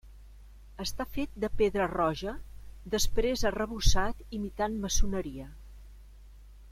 Està fet de pedra roja després arrebossat imitant maçoneria.